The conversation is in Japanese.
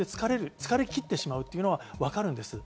疲れきってしまうというのはわかるんです。